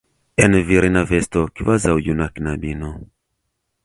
en virina vesto, kvazaŭ juna knabino.